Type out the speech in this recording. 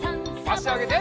あしあげて。